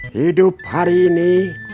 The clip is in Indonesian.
hidup hari ini